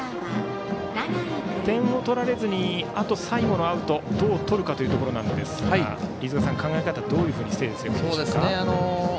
点を取られずにあと、最後のアウトどうとるかというところですが飯塚さん、考え方はどういうふうに整理すればいいでしょうか。